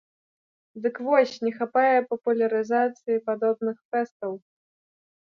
Дык вось не хапае папулярызацыі падобных фэстаў.